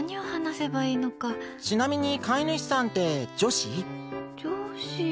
ちなみに飼い主さんって女子？